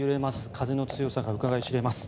風の強さがうかがい知れます。